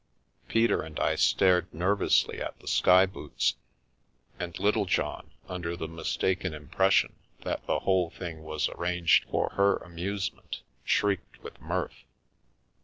Peter and I stared nervously at the sky boots, and Littlejohn, under the mistaken impression that the whole thing was arranged for her amusement, shrieked with mirth.